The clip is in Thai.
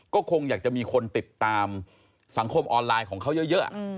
ก็คงอยากจะมีคนติดตามสังคมออนไลน์ของเขาเยอะ